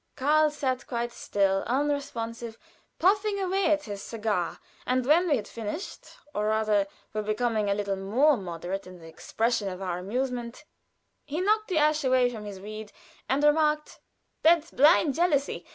Karl sat quite still, unresponsive, puffing away at his cigar; and when we had finished, or rather were becoming a little more moderate in the expression of our amusement, he knocked the ash away from his weed, and remarked: "That's blind jealousy.